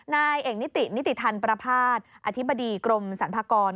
นายเอกนิตินิติธัณฑ์ประภาษาอธิบดีกรมศัลพากร